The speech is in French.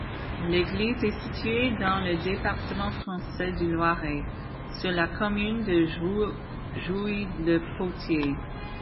L'église est située dans le département français du Loiret, sur la commune de Jouy-le-Potier.